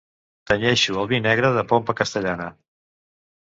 Tenyeixo el vi negre de pompa castellana.